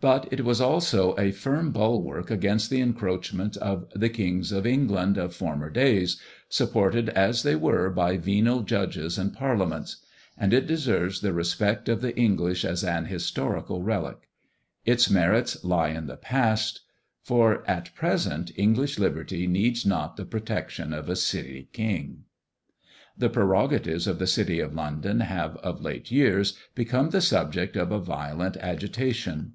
But it was also a firm bulwark against the encroachments of the kings of England of former days, supported as they were by venal judges and parliaments; and it deserves the respect of the English as an historical relic. Its merits lie in the past; for at present English liberty needs not the protection of a City king. The prerogatives of the city of London have, of late years, become the subject of a violent agitation.